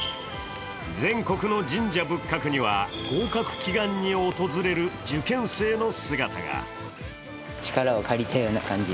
全国の神社仏閣には合格祈願に訪れる受験生の姿が。